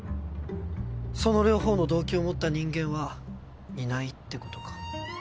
その両方の動機を持った人間はいないってことか。